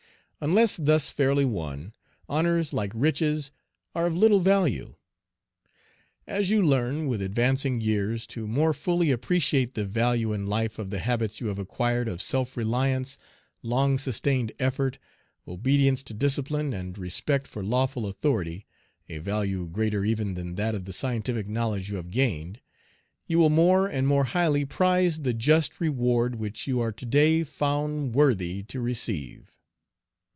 Unless thus fairly won, honors, like riches, are of little value. As you learn, with advancing years, to more fully appreciate the value in life of the habits you have acquired of self reliance, long sustained effort, obedience to discipline, and respect for lawful authority, a value greater even than that of the scientific knowledge you have gained, you will more and more highly prize the just reward which you are to day found worthy to receive.